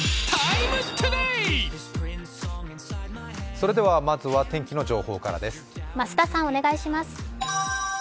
それではまずは天気の情報からです。